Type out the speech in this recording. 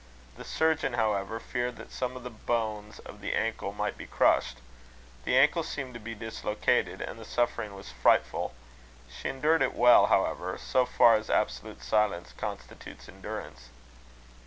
The surgeon, however, feared that some of the bones of the ankle might be crushed. The ankle seemed to be dislocated, and the suffering was frightful. She endured it well, however so far as absolute silence constitutes endurance.